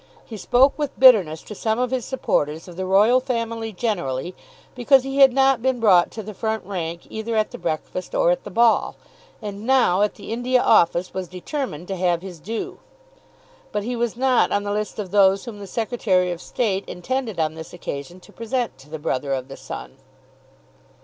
He spoke with bitterness to some of his supporters of the Royal Family generally, because he had not been brought to the front rank either at the breakfast or at the ball, and now, at the India Office, was determined to have his due. But he was not on the list of those whom the Secretary of State intended on this occasion to present to the Brother of the Sun.